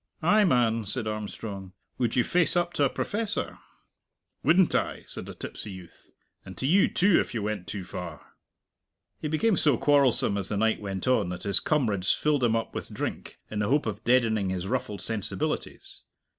"Ay, man," said Armstrong, "would you face up to a professor?" "Wouldn't I?" said the tipsy youth; "and to you, too, if you went too far." He became so quarrelsome as the night went on that his comrades filled him up with drink, in the hope of deadening his ruffled sensibilities.